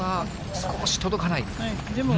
少し届かない。